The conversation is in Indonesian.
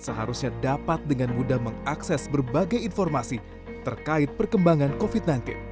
seharusnya dapat dengan mudah mengakses berbagai informasi terkait perkembangan covid sembilan belas